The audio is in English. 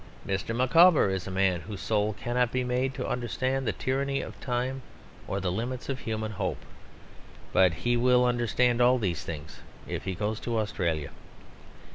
Mr. Micawber is a man whose soul cannot be made to understand the tyranny of time or the limits of human hope; but he will understand all these things if he goes to Australia.